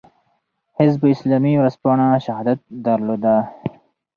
حزب اسلامي ورځپاڼه "شهادت" درلوده.